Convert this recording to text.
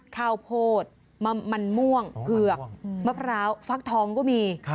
ข้าวโพดมันม่วงเผือกมะพร้าวฟักทองก็มี